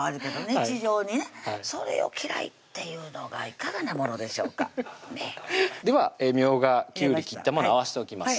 日常にねそれを嫌いっていうのがいかがなものでしょうかねっではみょうが・きゅうり切ったもの合わしておきます